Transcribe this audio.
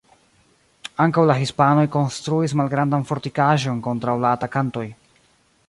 Ankaŭ la hispanoj konstruis malgrandan fortikaĵon kontraŭ la atakantoj.